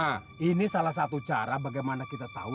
nah ini salah satu cara bagaimana kita tahu